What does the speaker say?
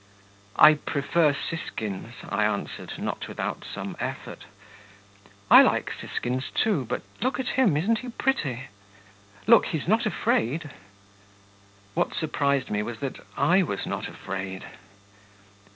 'I prefer siskins,' I answered, not without some effort. 'I like siskins, too; but look at him, isn't he pretty? Look, he's not afraid.' (What surprised me was that I was not afraid.)